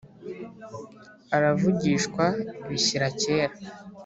Aravugishwa bishyira kera,